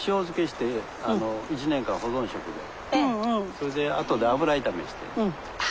それであとで油炒めして。